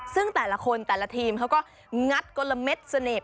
ซึ่งแต่ละคนแต่ละทีมเขาก็งัดกลมเสน่ห